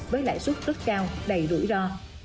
với lãi suất rất cao đầy rủi ro